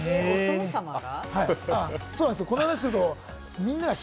お父様が？